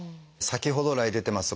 先ほど来出てます